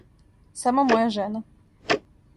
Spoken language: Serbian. Само моја жена.